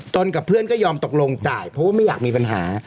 กับเพื่อนก็ยอมตกลงจ่ายเพราะว่าไม่อยากมีปัญหา